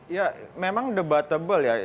ya memang debatable ya